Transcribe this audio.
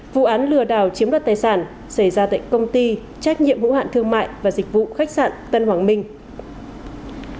vụ án lừa đảo chiếm đoạt tài sản xảy ra tại công ty trách nhiệm hữu hạn thương mại và dịch vụ khách sạn tân hoàng minh